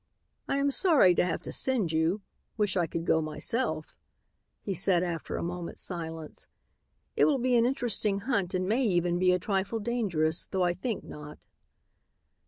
"I am sorry to have to send you wish I could go myself," he said after a moment's silence. "It will be an interesting hunt and may even be a trifle dangerous, though I think not."